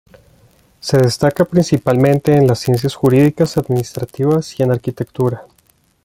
Se destaca principalmente en las Ciencias Jurídicas, Administrativas y en Arquitectura.